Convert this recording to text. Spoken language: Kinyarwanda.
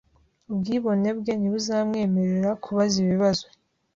Ubwibone bwe ntibuzamwemerera kubaza ibibazo